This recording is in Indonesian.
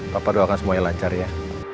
bapak doakan semuanya lancar ya